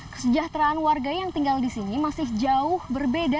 kesejahteraan warga yang tinggal di sini masih jauh berbeda